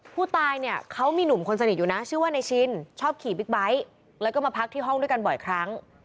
ผู้ตายเนี่ยเขามีหนุ่มคนสนิทอยู่นะชื่อว่านายชินชอบขี่บิ๊กไบท์แล้วก็มาพักที่ห้องด้วยกันบ่อยครั้ง